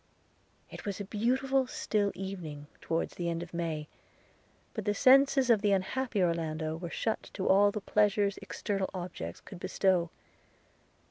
It was a beautiful still evening, towards the end of May; but the senses of the unhappy Orlando were shut to all the pleasures external objects could bestow.